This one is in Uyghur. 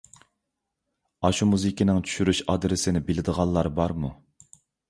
ئاشۇ مۇزىكىنىڭ چۈشۈرۈش ئادرېسىنى بىلىدىغانلار بارمۇ؟